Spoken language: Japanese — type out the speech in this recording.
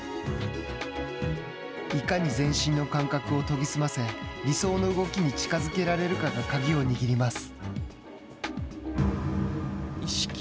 いかに全身の感覚を研ぎ澄ませ理想の動きに近づけられるかが鍵を握ります。